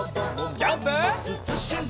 ジャンプ！